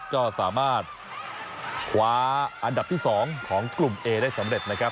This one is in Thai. ก็สามารถคว้าอันดับที่๒ของกลุ่มเอได้สำเร็จนะครับ